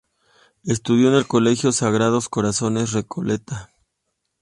Estudió en el Colegio Sagrados Corazones Recoleta.